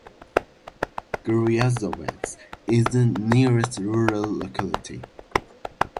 Gryazovets is the nearest rural locality.